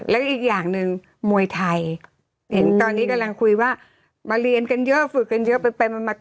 แล้วอีกอย่างหนึ่งมวยไทยเห็นตอนนี้กำลังคุยว่ามาเรียนกันเยอะฝึกกันเยอะไปมันมาต่อ